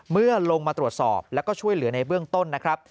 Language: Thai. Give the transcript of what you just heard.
เมื่อลงมาตรวจสอบแล้วก็ช่วยเหลือในเบื้องต้นนะครับ